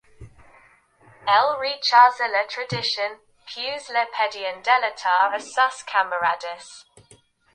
Él rechaza la traición, pues le pedían delatar a sus camaradas.